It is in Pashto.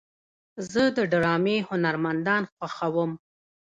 زه د ډرامې هنرمندان خوښوم.